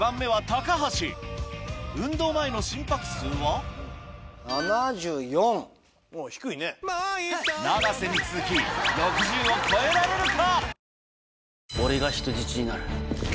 運動前の心拍数は永瀬に続き６０を超えられるか？